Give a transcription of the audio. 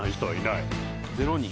０人。